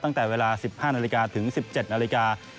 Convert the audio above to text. ตั้งแต่เวลา๑๕นาฬิกาถึง๑๗นาฬิกา